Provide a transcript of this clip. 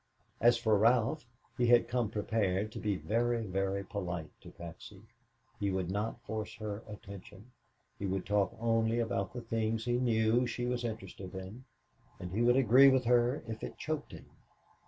As for Ralph, he had come prepared to be very, very polite to Patsy. He would not force her attention, he would talk only about the things he knew she was interested in and he would agree with her if it choked him.